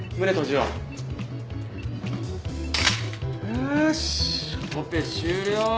よーしオペ終了。